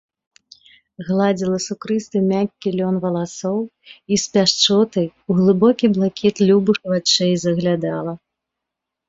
Гладзіла сукрысты мяккі лён валасоў і з пяшчотай у глыбокі блакіт любых вачэй заглядала.